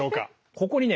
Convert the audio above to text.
ここにね